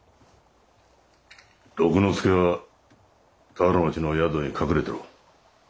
六之助は田原町の宿に隠れてろ。